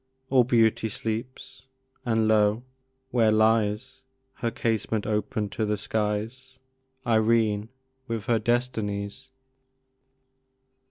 All Beauty sleeps! and lo! where lies (Her casement open to the skies) Irene, with her Destinies!